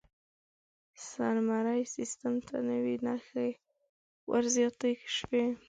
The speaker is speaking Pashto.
سومري سیستم ته نوې نښې ور زیاتې شوې.